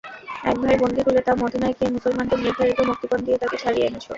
এক ভাই বন্দি হলে তাও মদীনায় গিয়ে মুসলমানদের নির্ধারিত মুক্তিপণ দিয়ে তাকে ছাড়িয়ে এনেছ।